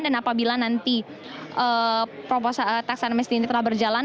dan apabila nanti proposal tax amnesty telah berjalan